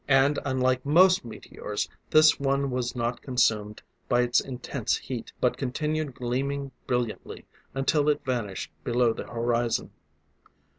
And, unlike most meteors, this one was not consumed by its intense heat, but continued gleaming brilliantly until it vanished below the horizon.